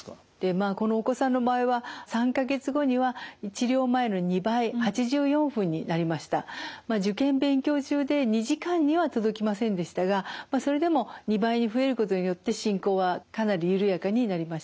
まあこのお子さんの場合は３か月後には受験勉強中で２時間には届きませんでしたがそれでも２倍に増えることによって進行はかなり緩やかになりました。